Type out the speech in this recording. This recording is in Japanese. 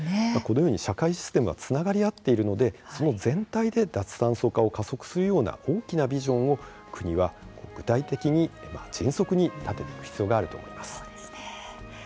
このように社会システムがつながり合っているのでその全体で、脱炭素化を加速するような大きなビジョンを国は具体的に、今迅速に立てていく必要があると思います。